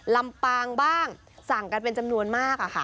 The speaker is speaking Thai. ลำปางบ้างสั่งกันเป็นจำนวนมากค่ะ